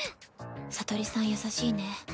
聡里さん優しいね。